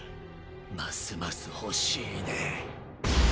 ますます欲しいね。